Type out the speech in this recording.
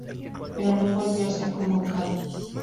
Pero no volvió a ser convocado.